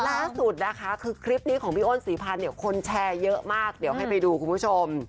ล่าสุดนะคะคือคลิปนี้ของพี่อ้นศรีพันธ์เนี่ยคนแชร์เยอะมากเดี๋ยวให้ไปดูคุณผู้ชม